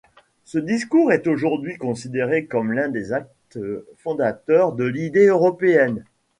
Ce discours est aujourd’hui considéré comme l’un des actes fondateurs de l’idée européenne.